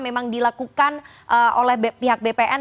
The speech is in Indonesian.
memang dilakukan oleh pihak bpn